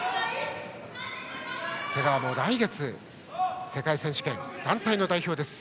瀬川も来月世界選手権団体の代表です。